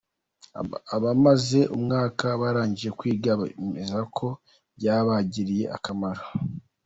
Abamaze umwaka barangije kwiga bemeza ko byabagiriye akamaro.